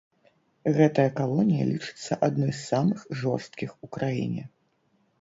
Гэтая калонія лічыцца адной з самых жорсткіх у краіне.